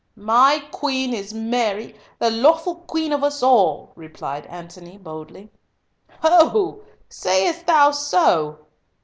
"My Queen is Mary, the lawful Queen of us all," replied Antony, boldly. "Ho! Sayest thou so?